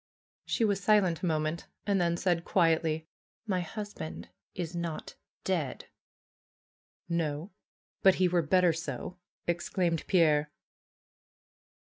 She was silent a moment and then said quietly, ^^My husband is not dead." ^^No! But he were better so!" exclaimed Pierre.